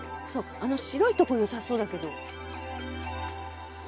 あの白いとこよさそうだけど。